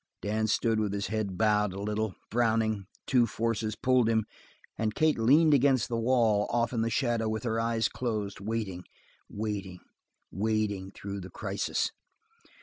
Dan stood with his head bowed a little, frowning; two forces pulled him, and Kate leaned against the wall off in the shadow with her eyes closed, waiting, waiting, waiting through the crisis.